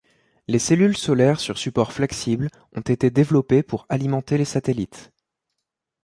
Les cellules solaires sur support flexible ont été développées pour alimenter les satellites.